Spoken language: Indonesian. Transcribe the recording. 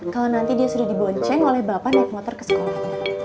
kalau nanti dia sudah dibonceng oleh bapak naik motor ke sekolah